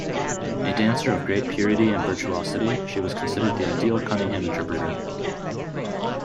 A dancer of great purity and virtuosity, she was considered the ideal Cunningham interpreter.